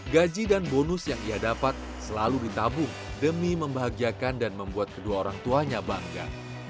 gaji dan bonus yang ia dapat selalu ditabung demi membahagiakan dan membuat kedua orang tuanya bangga